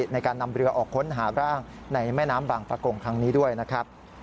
ในการนำเรือออกค้นหาร่างในแม่น้ำบางประกงครั้งนี้ด้วยนะครับ